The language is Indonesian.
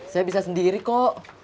saya bisa sendiri kok